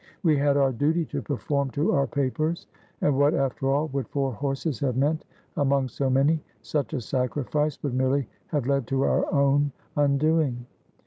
We had our duty to perform to our papers, and what, after all, would four horses have meant among so many? Such a sacrifice would merely have led to our own un doing.